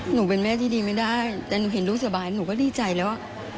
หนูเป็นแม่ที่ดีไม่ได้แต่หนูเห็นลูกสบายหนูก็ดีใจแล้ว